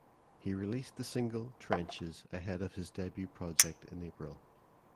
He released the single "Trenches" ahead of his debut project in April.